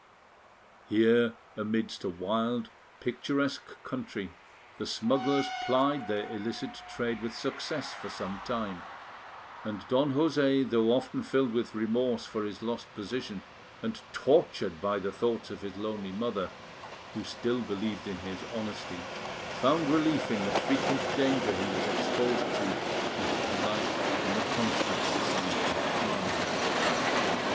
Here, amidst a wild, picturesque country, the smugglers plied their illicit trade with success for some time; and Don José, though often filled with remorse for his lost position, and tortured by the thoughts of his lonely mother, who still believed in his honesty, found relief in the frequent danger he was exposed to, and delight in the constant society of Carmen.